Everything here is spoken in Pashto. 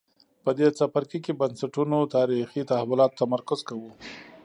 په دې څپرکي کې بنسټونو تاریخي تحولاتو تمرکز کوو.